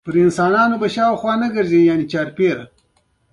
د دې حقوقو په سر کې کرامت دی.